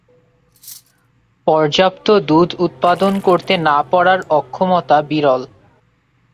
পর্যাপ্ত দুধ উৎপাদন করতে না পারার অক্ষমতা বিরল।